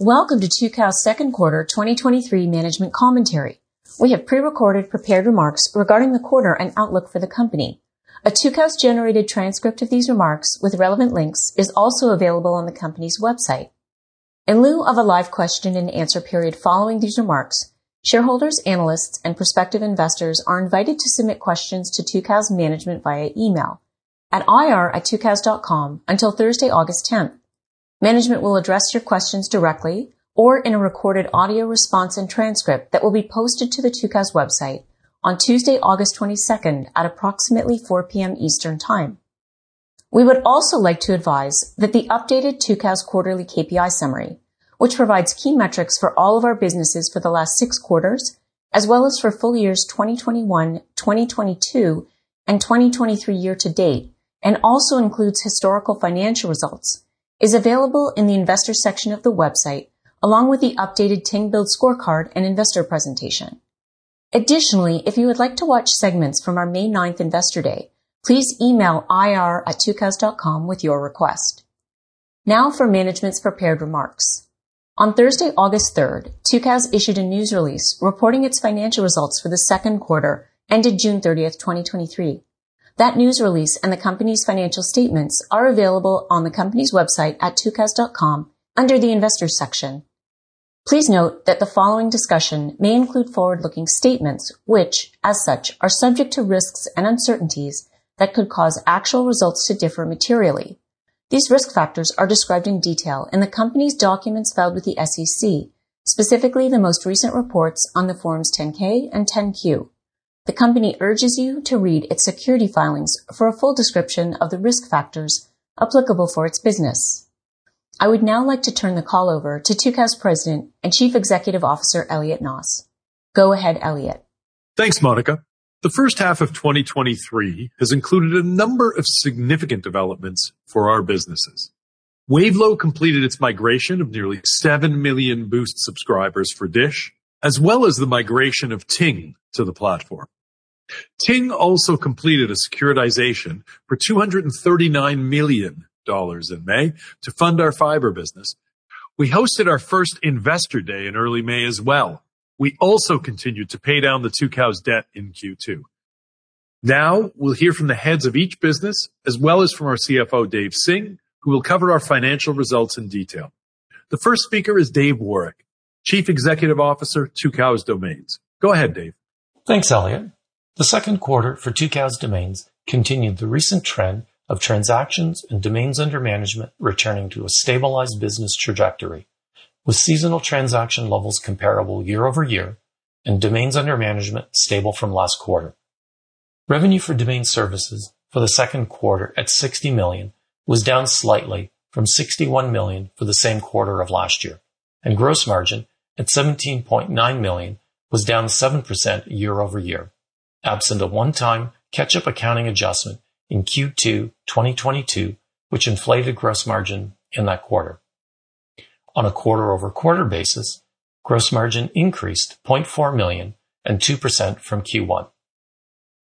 Welcome to Tucows' second quarter 2023 management commentary. We have pre-recorded prepared remarks regarding the quarter and outlook for the company. A Tucows-generated transcript of these remarks with relevant links is also available on the company's website. In lieu of a live question-and-answer period following these remarks, shareholders, analysts, and prospective investors are invited to submit questions to Tucows management via email at ir@tucows.com until Thursday, August tenth. Management will address your questions directly or in a recorded audio response and transcript that will be posted to the Tucows website on Tuesday, August twenty-second, at approximately 4:00 P.M. Eastern Time. We would also like to advise that the updated Tucows quarterly KPI summary, which provides key metrics for all of our businesses for the last six quarters, as well as for full years 2021, 2022, and 2023 year to date, and also includes historical financial results, is available in the investor section of the website, along with the updated Ting Build Scorecard and investor presentation. Additionally, if you would like to watch segments from our May 9th Investor Day, please email ir@tucows.com with your request. Now for management's prepared remarks. On Thursday, August 3rd, Tucows issued a news release reporting its financial results for the second quarter, ended June 30th, 2023. That news release and the company's financial statements are available on the company's website at tucows.com under the Investors section. Please note that the following discussion may include forward-looking statements, which, as such, are subject to risks and uncertainties that could cause actual results to differ materially. These risk factors are described in detail in the company's documents filed with the SEC, specifically the most recent reports on the Forms 10-K and 10-Q. The company urges you to read its security filings for a full description of the risk factors applicable for its business. I would now like to turn the call over to Tucows President and Chief Executive Officer, Elliot Noss. Go ahead, Elliot. Thanks, Monica. The first half of 2023 has included a number of significant developments for our businesses. Wavelo completed its migration of nearly seven million Boost subscribers for DISH, as well as the migration of Ting to the platform. Ting also completed a securitization for $239 million in May to fund our fiber business. We hosted our first Investor Day in early May as well. We also continued to pay down the Tucows debt in Q2. Now we'll hear from the heads of each business, as well as from our CFO, Dave Singh, who will cover our financial results in detail. The first speaker is Dave Woroch, Chief Executive Officer, Tucows Domains. Go ahead, Dave. Thanks, Elliot. The second quarter for Tucows Domains continued the recent trend of transactions and domains under management, returning to a stabilized business trajectory, with seasonal transaction levels comparable year-over-year and domains under management stable from last quarter. Revenue for domain services for the second quarter at $60 million, was down slightly from $61 million for the same quarter of last year, and gross margin at $17.9 million was down 7% year-over-year, absent a one-time catch-up accounting adjustment in Q2 2022, which inflated gross margin in that quarter. On a quarter-over-quarter basis, gross margin increased $0.4 million and 2% from Q1.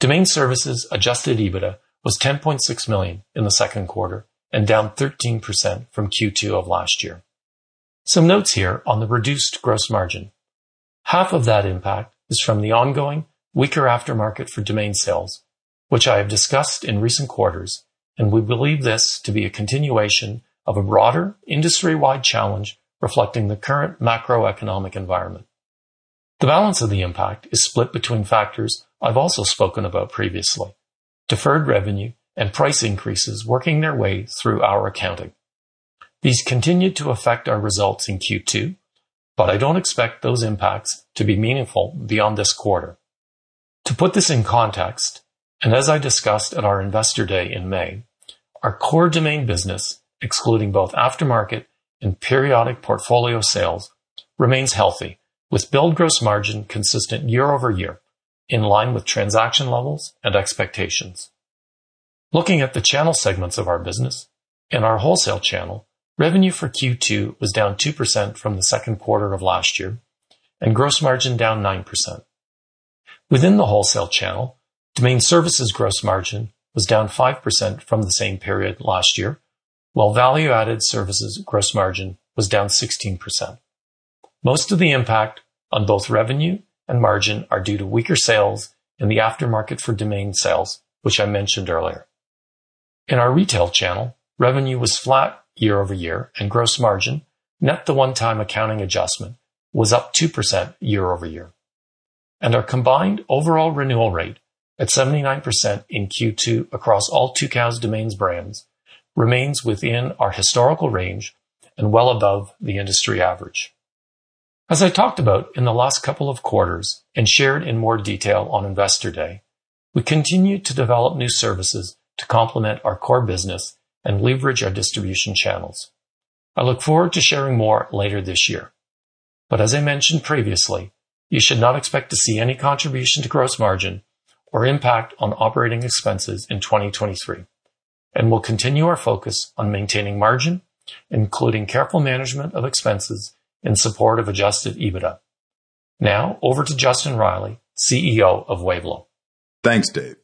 Domain services Adjusted EBITDA was $10.6 million in the second quarter and down 13% from Q2 of last year. Some notes here on the reduced gross margin. Half of that impact is from the ongoing weaker aftermarket for domain sales, which I have discussed in recent quarters. We believe this to be a continuation of a broader industry-wide challenge reflecting the current macroeconomic environment. The balance of the impact is split between factors I've also spoken about previously: deferred revenue and price increases working their way through our accounting. These continued to affect our results in Q2, but I don't expect those impacts to be meaningful beyond this quarter. To put this in context, as I discussed at our Investor Day in May, our core domain business, excluding both aftermarket and periodic portfolio sales, remains healthy, with billed gross margin consistent year-over-year, in line with transaction levels and expectations. Looking at the channel segments of our business. In our wholesale channel, revenue for Q2 was down 2% from the second quarter of last year, and gross margin down 9%. Within the wholesale channel, domain services gross margin was down 5% from the same period last year, while value-added services gross margin was down 16%. Most of the impact on both revenue and margin are due to weaker sales in the aftermarket for domain sales, which I mentioned earlier. In our retail channel, revenue was flat year-over-year, and gross margin, net to one-time accounting adjustment, was up 2% year-over-year, and our combined overall renewal rate at 79% in Q2 across all Tucows Domains brands, remains within our historical range and well above the industry average. As I talked about in the last couple of quarters and shared in more detail on Investor Day, we continued to develop new services to complement our core business and leverage our distribution channels. I look forward to sharing more later this year, but as I mentioned previously, you should not expect to see any contribution to gross margin or impact on operating expenses in 2023. We'll continue our focus on maintaining margin, including careful management of expenses in support of Adjusted EBITDA. ...Now over to Justin Reilly, CEO of Wavelo. Thanks, Dave.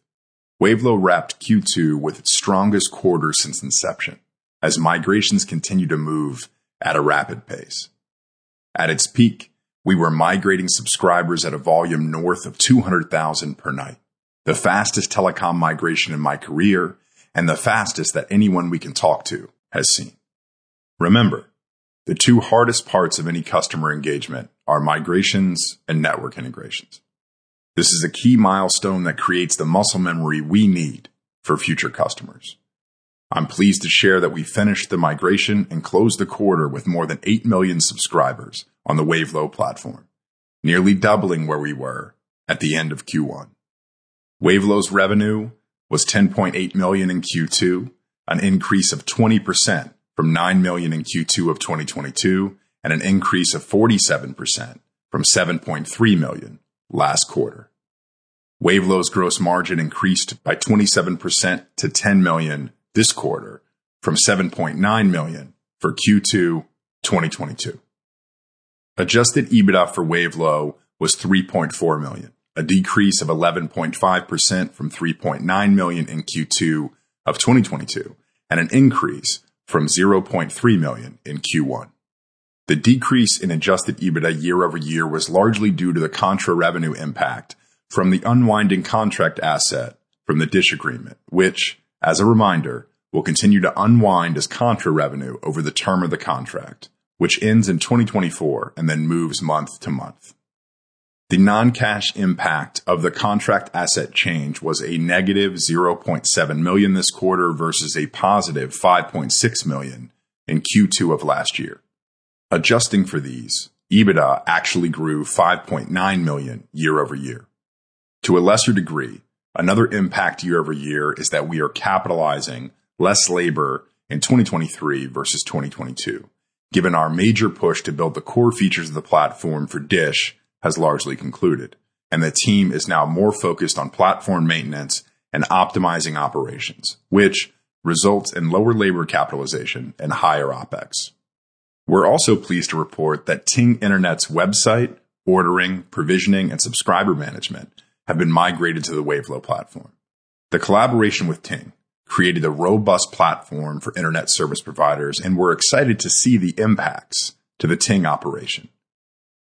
Wavelo wrapped Q2 with its strongest quarter since inception, as migrations continue to move at a rapid pace. At its peak, we were migrating subscribers at a volume north of 200,000 per night, the fastest telecom migration in my career and the fastest that anyone we can talk to has seen. Remember, the two hardest parts of any customer engagement are migrations and network integrations. This is a key milestone that creates the muscle memory we need for future customers. I'm pleased to share that we finished the migration and closed the quarter with more than 8 million subscribers on the Wavelo platform, nearly doubling where we were at the end of Q1. Wavelo's revenue was $10.8 million in Q2, an increase of 20% from $9 million in Q2 2022, and an increase of 47% from $7.3 million last quarter. Wavelo's gross margin increased by 27% to $10 million this quarter from $7.9 million for Q2 2022. Adjusted EBITDA for Wavelo was $3.4 million, a decrease of 11.5% from $3.9 million in Q2 2022, and an increase from $0.3 million in Q1. The decrease in Adjusted EBITDA year-over-year was largely due to the contra revenue impact from the unwinding contract asset from the DISH agreement, which, as a reminder, will continue to unwind as contra revenue over the term of the contract, which ends in 2024 and then moves month-to-month. The non-cash impact of the contract asset change was a negative $0.7 million this quarter versus a positive $5.6 million in Q2 of last year. Adjusting for these, EBITDA actually grew $5.9 million year-over-year. To a lesser degree, another impact year-over-year is that we are capitalizing less labor in 2023 versus 2022, given our major push to build the core features of the platform for DISH has largely concluded, and the team is now more focused on platform maintenance and optimizing operations, which results in lower labor capitalization and higher OpEx. We're also pleased to report that Ting Internet's website, ordering, provisioning, and subscriber management have been migrated to the Wavelo platform. The collaboration with Ting created a robust platform for internet service providers, and we're excited to see the impacts to the Ting operation.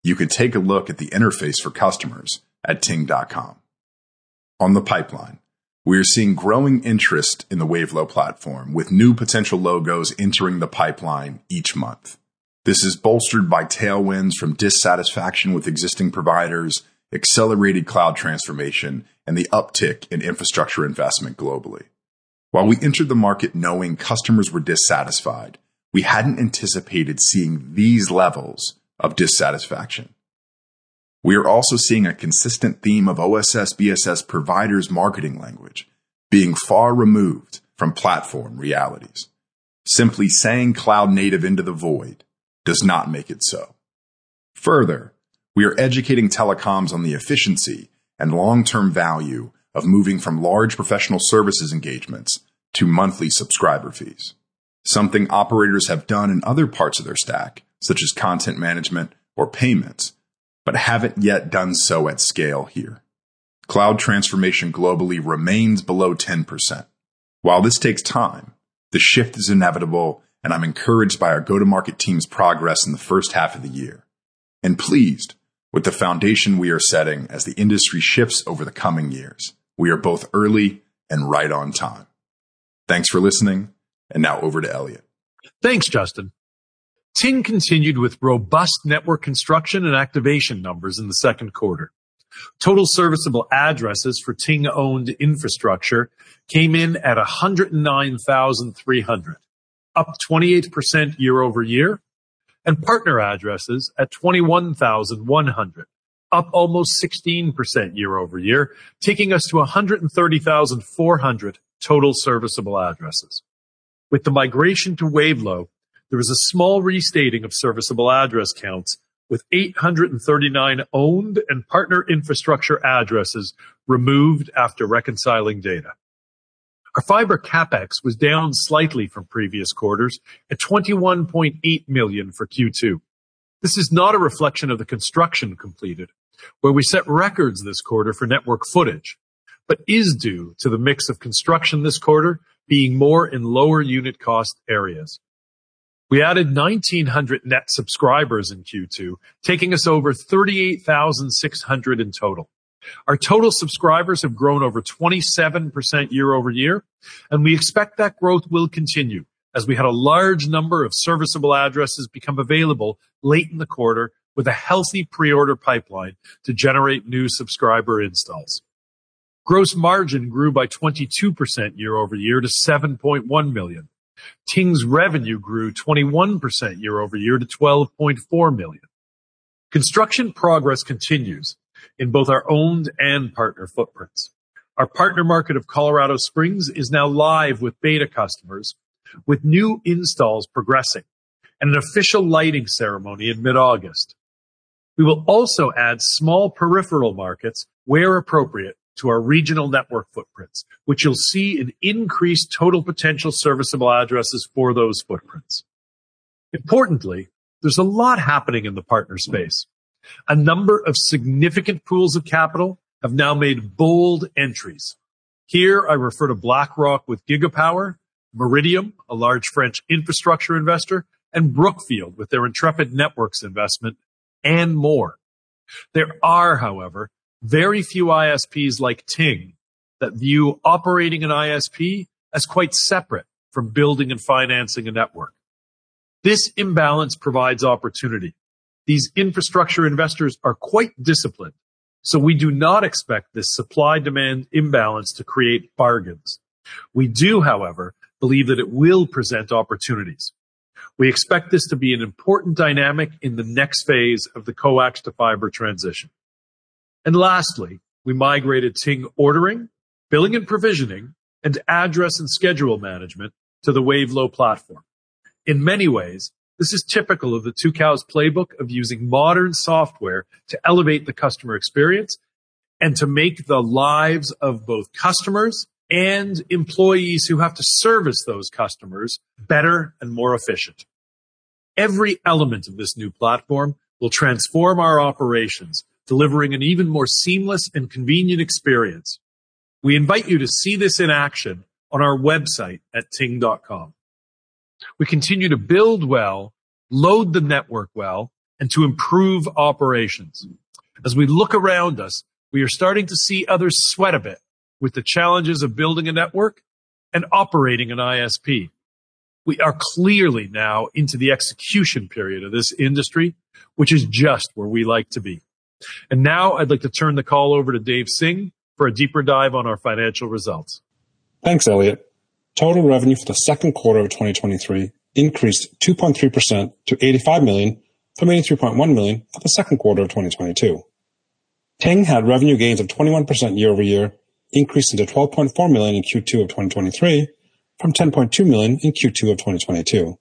You can take a look at the interface for customers at ting.com. On the pipeline, we are seeing growing interest in the Wavelo platform, with new potential logos entering the pipeline each month. This is bolstered by tailwinds from dissatisfaction with existing providers, accelerated cloud transformation, and the uptick in infrastructure investment globally. While we entered the market knowing customers were dissatisfied, we hadn't anticipated seeing these levels of dissatisfaction. We are also seeing a consistent theme of OSS/BSS providers' marketing language being far removed from platform realities. Simply saying cloud native into the void does not make it so. Further, we are educating telecoms on the efficiency and long-term value of moving from large professional services engagements to monthly subscriber fees, something operators have done in other parts of their stack, such as content management or payments, but haven't yet done so at scale here. Cloud transformation globally remains below 10%. While this takes time, the shift is inevitable, and I'm encouraged by our go-to-market team's progress in the first half of the year and pleased with the foundation we are setting as the industry shifts over the coming years. We are both early and right on time. Thanks for listening, and now over to Elliot. Thanks, Justin. Ting continued with robust network construction and activation numbers in the second quarter. Total serviceable addresses for Ting-owned infrastructure came in at 109,300, up 28% year-over-year, and partner addresses at 21,100, up almost 16% year-over-year, taking us to 130,400 total serviceable addresses. With the migration to Wavelo, there was a small restating of serviceable address counts, with 839 owned and partner infrastructure addresses removed after reconciling data. Our fiber CapEx was down slightly from previous quarters at $21.8 million for Q2. This is not a reflection of the construction completed, where we set records this quarter for network footage, but is due to the mix of construction this quarter being more in lower unit cost areas. We added 1,900 net subscribers in Q2, taking us over 38,600 in total. Our total subscribers have grown over 27% year-over-year, and we expect that growth will continue as we had a large number of serviceable addresses become available late in the quarter with a healthy pre-order pipeline to generate new subscriber installs. Gross margin grew by 22% year-over-year to $7.1 million. Ting's revenue grew 21% year-over-year to $12.4 million. Construction progress continues in both our owned and partner footprints. Our partner market of Colorado Springs is now live with beta customers, with new installs progressing and an official lighting ceremony in mid-August. We will also add small peripheral markets where appropriate to our regional network footprints, which you'll see in increased total potential serviceable addresses for those footprints. Importantly, there's a lot happening in the partner space. A number of significant pools of capital have now made bold entries. Here, I refer to BlackRock with Gigapower, Meridiam, a large French infrastructure investor, and Brookfield, with their Intrepid Networks investment and more. There are, however, very few ISPs like Ting that view operating an ISP as quite separate from building and financing a network. This imbalance provides opportunity. These infrastructure investors are quite disciplined, so we do not expect this supply-demand imbalance to create bargains. We do, however, believe that it will present opportunities. We expect this to be an important dynamic in the next phase of the coax to fiber transition. Lastly, we migrated Ting ordering, billing, and provisioning, and address and schedule management to the Wavelo platform. In many ways, this is typical of the Tucows playbook of using modern software to elevate the customer experience and to make the lives of both customers and employees who have to service those customers better and more efficient. Every element of this new platform will transform our operations, delivering an even more seamless and convenient experience. We invite you to see this in action on our website at ting.com. We continue to build well, load the network well, and to improve operations. As we look around us, we are starting to see others sweat a bit with the challenges of building a network and operating an ISP. We are clearly now into the execution period of this industry, which is just where we like to be. Now I'd like to turn the call over to Dave Singh for a deeper dive on our financial results. Thanks, Elliot. Total revenue for the second quarter of 2023 increased 2.3% to $85 million from $83.1 million for the second quarter of 2022. Ting had revenue gains of 21% year-over-year, increasing to $12.4 million in Q2 of 2023, from $10.2 million in Q2 of 2022.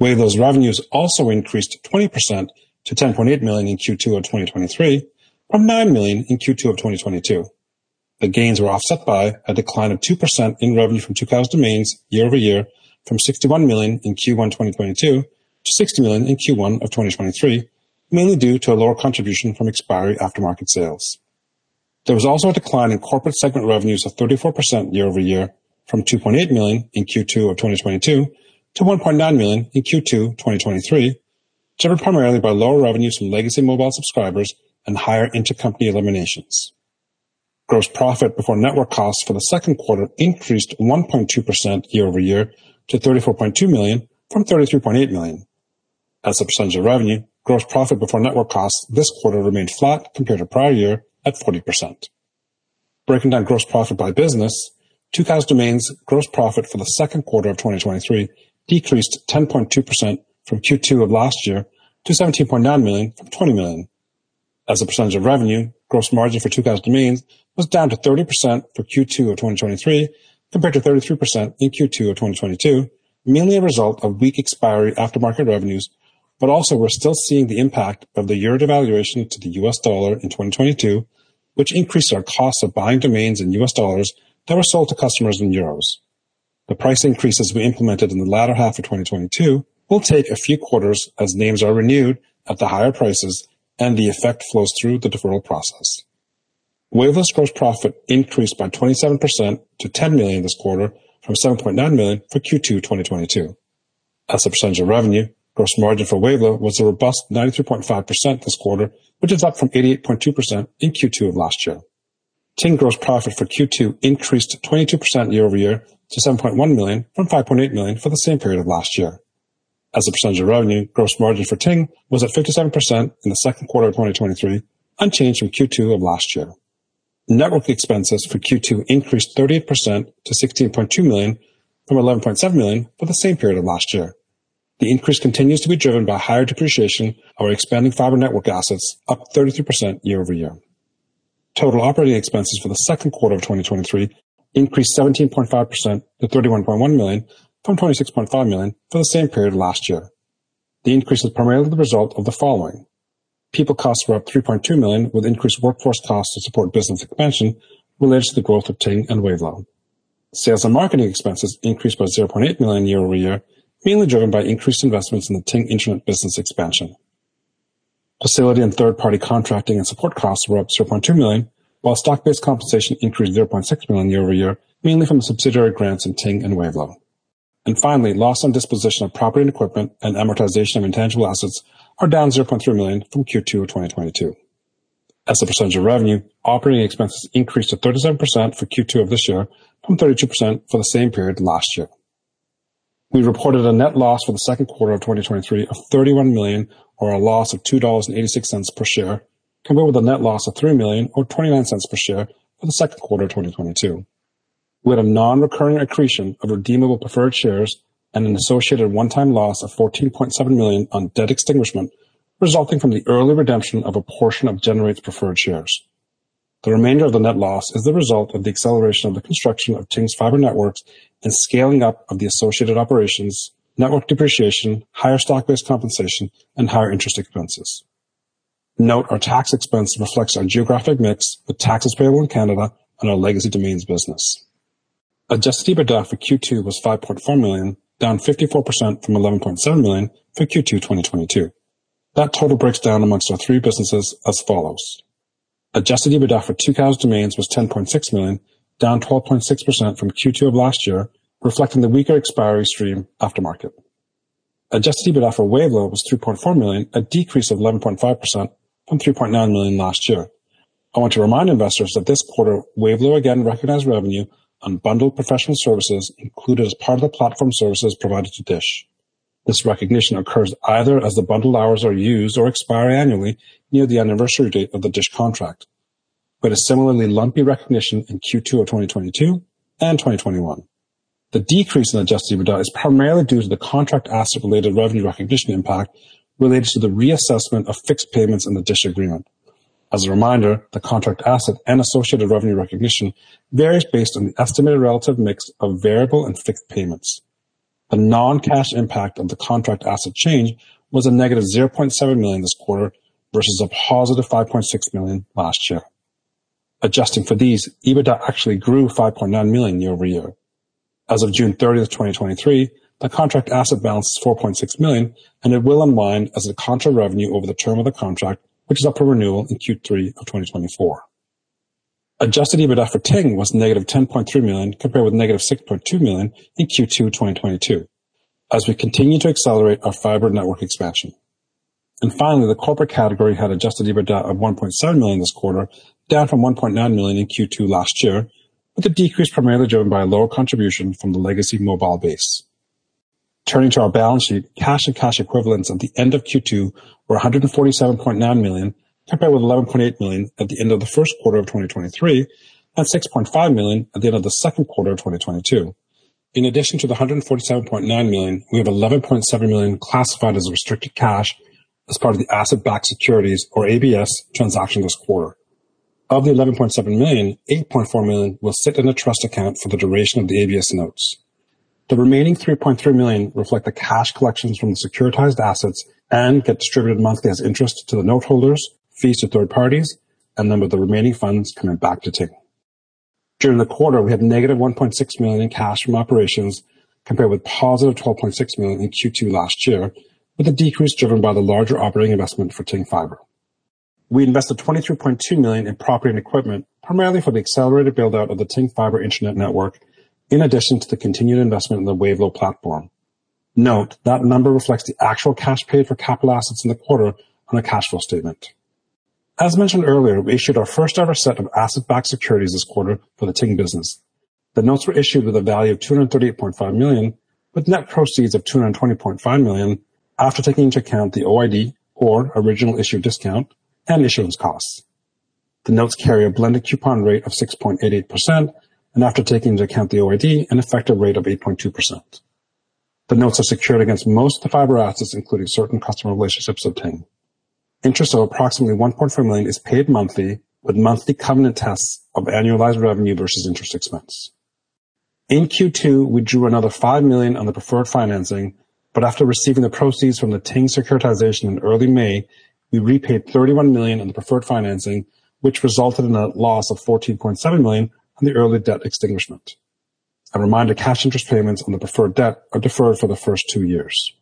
Wavelo's revenues also increased 20% to $10.8 million in Q2 of 2023, from $9 million in Q2 of 2022. The gains were offset by a decline of 2% in revenue from Tucows Domains year-over-year from $61 million in Q1 2022 to $60 million in Q1 of 2023, mainly due to a lower contribution from expiry aftermarket sales. There was also a decline in corporate segment revenues of 34% year-over-year from $2.8 million in Q2 2022, to $1.9 million in Q2 2023, driven primarily by lower revenues from legacy mobile subscribers and higher intercompany eliminations. Gross profit before network costs for the second quarter increased 1.2% year-over-year to $34.2 million from $33.8 million. As a percentage of revenue, gross profit before network costs this quarter remained flat compared to prior year at 40%. Breaking down gross profit by business, Tucows Domains' gross profit for the second quarter of 2023 decreased 10.2% from Q2 of last year to $17.9 million from $20 million. As a percentage of revenue, gross margin for Tucows Domains was down to 30% for Q2 of 2023, compared to 33% in Q2 of 2022, mainly a result of weak expiry aftermarket revenues, but also we're still seeing the impact of the euro devaluation to the U.S. dollar in 2022, which increased our cost of buying domains in US dollars that were sold to customers in euros. The price increases we implemented in the latter half of 2022 will take a few quarters as names are renewed at the higher prices and the effect flows through the deferral process. Wavelo's gross profit increased by 27% to $10 million this quarter from $7.9 million for Q2 2022. As a percentage of revenue, gross margin for Wavelo was a robust 93.5% this quarter, which is up from 88.2% in Q2 of last year. Ting gross profit for Q2 increased 22% year-over-year to $7.1 million from $5.8 million for the same period of last year. As a percentage of revenue, gross margin for Ting was at 57% in the second quarter of 2023, unchanged from Q2 of last year. Network expenses for Q2 increased 30% to $16.2 million from $11.7 million for the same period of last year. The increase continues to be driven by higher depreciation, our expanding fiber network assets up 33% year-over-year. Total operating expenses for the second quarter of 2023 increased 17.5% to $31.1 million from $26.5 million for the same period last year. The increase is primarily the result of the following. People costs were up $3.2 million, with increased workforce costs to support business expansion related to the growth of Ting and Wavelo. Sales and marketing expenses increased by $0.8 million year-over-year, mainly driven by increased investments in the Ting Internet business expansion. Facility and third-party contracting and support costs were up $0.2 million, while stock-based compensation increased $0.6 million year-over-year, mainly from subsidiary grants in Ting and Wavelo. Finally, loss on disposition of property and equipment and amortization of intangible assets are down $0.3 million from Q2 of 2022. As a percentage of revenue, operating expenses increased to 37% for Q2 of this year from 32% for the same period last year. We reported a net loss for the second quarter of 2023 of $31 million, or a loss of $2.86 per share, compared with a net loss of $3 million or $0.29 per share for the second quarter of 2022. We had a non-recurring accretion of redeemable preferred shares and an associated one-time loss of $14.7 million on debt extinguishment, resulting from the early redemption of a portion of Generate's preferred shares. The remainder of the net loss is the result of the acceleration of the construction of Ting's fiber networks and scaling up of the associated operations, network depreciation, higher stock-based compensation, and higher interest expenses.... Note, our tax expense reflects our geographic mix, with taxes payable in Canada and our legacy domains business. Adjusted EBITDA for Q2 was $5.4 million, down 54% from $11.7 million for Q2 2022. That total breaks down amongst our three businesses as follows: Adjusted EBITDA for Tucows Domains was $10.6 million, down 12.6% from Q2 of last year, reflecting the weaker expiry stream after market. Adjusted EBITDA for Wavelo was $3.4 million, a decrease of 11.5% from $3.9 million last year. I want to remind investors that this quarter, Wavelo again recognized revenue on bundled professional services included as part of the platform services provided to DISH. This recognition occurs either as the bundled hours are used or expire annually near the anniversary date of the DISH contract, but a similarly lumpy recognition in Q2 of 2022 and 2021. The decrease in Adjusted EBITDA is primarily due to the contract asset-related revenue recognition impact related to the reassessment of fixed payments in the DISH agreement. As a reminder, the contract asset and associated revenue recognition varies based on the estimated relative mix of variable and fixed payments. The non-cash impact on the contract asset change was a $-0.7 million this quarter, versus a $+5.6 million last year. Adjusting for these, EBITDA actually grew $5.9 million year-over-year. As of June 30th, 2023, the contract asset balance is $4.6 million, and it will unwind as a contract revenue over the term of the contract, which is up for renewal in Q3 of 2024. Adjusted EBITDA for Ting was $-10.3 million, compared with $-6.2 million in Q2, 2022, as we continue to accelerate our fiber network expansion. Finally, the corporate category had Adjusted EBITDA of $1.7 million this quarter, down from $1.9 million in Q2 last year, with the decrease primarily driven by a lower contribution from the legacy mobile base. Turning to our balance sheet, cash and cash equivalents at the end of Q2 were $147.9 million, compared with $11.8 million at the end of the first quarter of 2023, and $6.5 million at the end of the second quarter of 2022. In addition to the $147.9 million, we have $11.7 million classified as restricted cash as part of the asset-backed securities, or ABS, transaction this quarter. Of the $11.7 million, $8.4 million will sit in a trust account for the duration of the ABS notes. The remaining $3.3 million reflect the cash collections from the securitized assets and get distributed monthly as interest to the note holders, fees to third parties, and then with the remaining funds coming back to Ting. During the quarter, we had negative $1.6 million in cash from operations, compared with positive $12.6 million in Q2 last year, with the decrease driven by the larger operating investment for Ting Fiber. We invested $23.2 million in property and equipment, primarily for the accelerated build-out of the Ting Fiber internet network, in addition to the continued investment in the Wavelo platform. Note, that number reflects the actual cash paid for capital assets in the quarter on a cash flow statement. As mentioned earlier, we issued our first-ever set of asset-backed securities this quarter for the Ting business. The notes were issued with a value of $238.5 million, with net proceeds of $220.5 million, after taking into account the OID, or original issue discount, and issuance costs. The notes carry a blended coupon rate of 6.88%, and after taking into account the OID, an effective rate of 8.2%. The notes are secured against most of the fiber assets, including certain customer relationships of Ting. Interest of approximately $1.4 million is paid monthly, with monthly covenant tests of annualized revenue versus interest expense. In Q2, we drew another $5 million on the preferred financing. After receiving the proceeds from the Ting securitization in early May, we repaid $31 million on the preferred financing, which resulted in a loss of $14.7 million on the early debt extinguishment. A reminder, cash interest payments on the preferred debt are deferred for the first two years.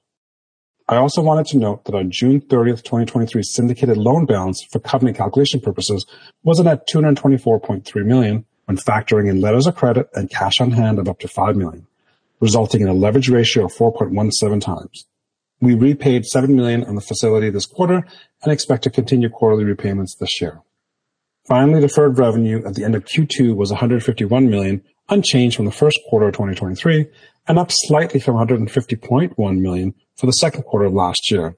I also wanted to note that on June 30, 2023, syndicated loan balance for covenant calculation purposes was at $224.3 million, when factoring in letters of credit and cash on hand of up to $5 million, resulting in a leverage ratio of 4.17x. We repaid $7 million on the facility this quarter and expect to continue quarterly repayments this year. Finally, deferred revenue at the end of Q2 was $151 million, unchanged from the first quarter of 2023, and up slightly from $150.1 million for the second quarter of last year,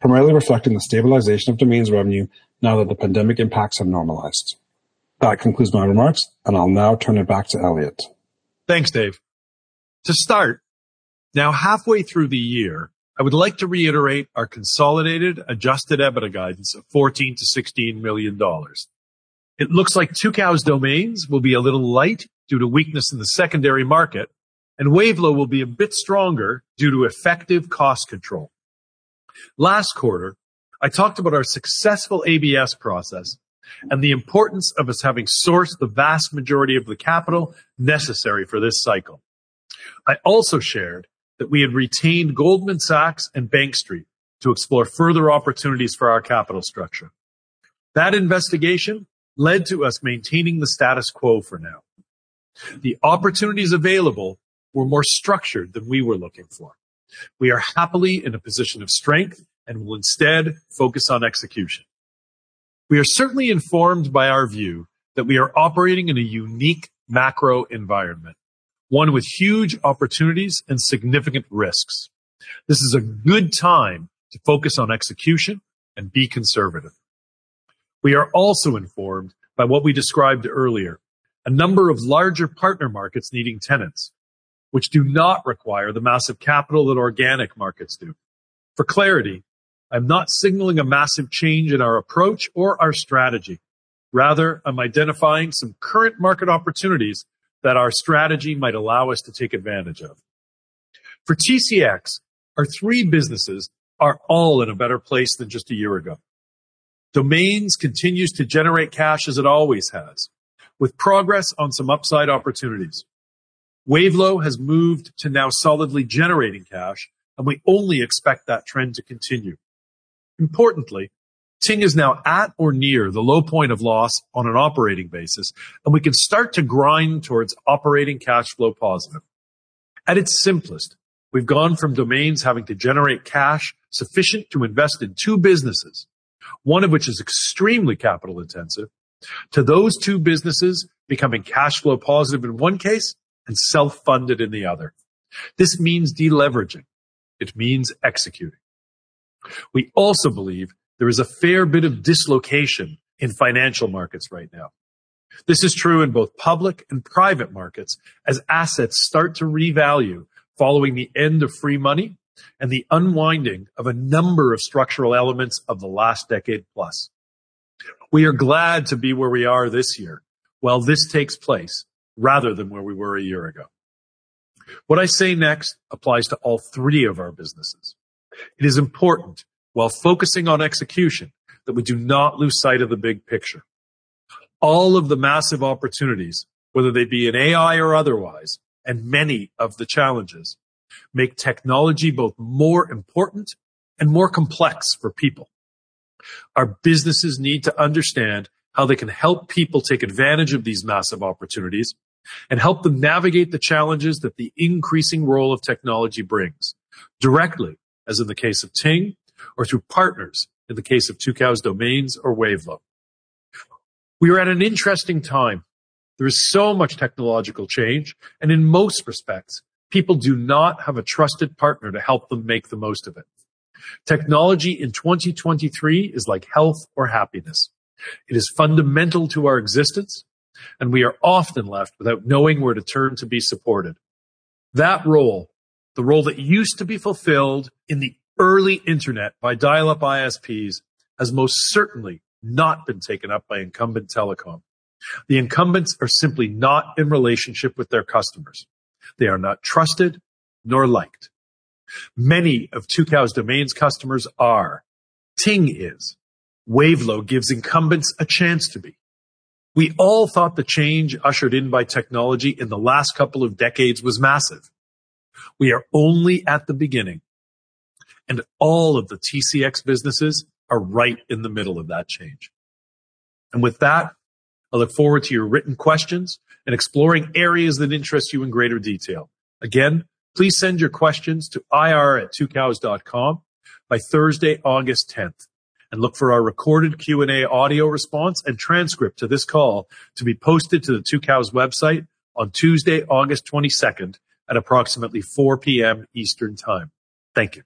primarily reflecting the stabilization of domains revenue now that the pandemic impacts have normalized. That concludes my remarks, and I'll now turn it back to Elliot. Thanks, Dave. To start, now halfway through the year, I would like to reiterate our consolidated Adjusted EBITDA guidance of $14 million-$16 million. It looks like Tucows Domains will be a little light due to weakness in the secondary market, and Wavelo will be a bit stronger due to effective cost control. Last quarter, I talked about our successful ABS process and the importance of us having sourced the vast majority of the capital necessary for this cycle. I also shared that we had retained Goldman Sachs and Bank Street to explore further opportunities for our capital structure. That investigation led to us maintaining the status quo for now. The opportunities available were more structured than we were looking for. We are happily in a position of strength and will instead focus on execution. We are certainly informed by our view that we are operating in a unique macro environment, one with huge opportunities and significant risks. This is a good time to focus on execution and be conservative. We are also informed by what we described earlier, a number of larger partner markets needing tenants, which do not require the massive capital that organic markets do. For clarity, I'm not signaling a massive change in our approach or our strategy. Rather, I'm identifying some current market opportunities that our strategy might allow us to take advantage of.... For TCX, our three businesses are all in a better place than just a year ago. Domains continues to generate cash as it always has, with progress on some upside opportunities. Wavelo has moved to now solidly generating cash, and we only expect that trend to continue. Importantly, Ting is now at or near the low point of loss on an operating basis, and we can start to grind towards operating cash flow positive. At its simplest, we've gone from domains having to generate cash sufficient to invest in two businesses, one of which is extremely capital-intensive, to those two businesses becoming cash flow positive in one case and self-funded in the other. This means deleveraging. It means executing. We also believe there is a fair bit of dislocation in financial markets right now. This is true in both public and private markets as assets start to revalue following the end of free money and the unwinding of a number of structural elements of the last decade plus. We are glad to be where we are this year, while this takes place, rather than where we were a year ago. What I say next applies to all three of our businesses. It is important, while focusing on execution, that we do not lose sight of the big picture. All of the massive opportunities, whether they be in AI or otherwise, and many of the challenges, make technology both more important and more complex for people. Our businesses need to understand how they can help people take advantage of these massive opportunities and help them navigate the challenges that the increasing role of technology brings, directly, as in the case of Ting, or through partners, in the case of Tucows Domains or Wavelo. We are at an interesting time. There is so much technological change, and in most respects, people do not have a trusted partner to help them make the most of it. Technology in 2023 is like health or happiness. It is fundamental to our existence, and we are often left without knowing where to turn to be supported. That role, the role that used to be fulfilled in the early internet by dial-up ISPs, has most certainly not been taken up by incumbent telecom. The incumbents are simply not in relationship with their customers. They are not trusted nor liked. Many of Tucows Domains customers are. Ting is. Wavelo gives incumbents a chance to be. We all thought the change ushered in by technology in the last couple of decades was massive. We are only at the beginning, and all of the TCX businesses are right in the middle of that change. With that, I look forward to your written questions and exploring areas that interest you in greater detail. Please send your questions to ir@tucows.com by Thursday, August 10th, and look for our recorded Q&A, audio response, and transcript to this call to be posted to the Tucows website on Tuesday, August 22nd, at approximately 4:00 P.M. Eastern Time. Thank you.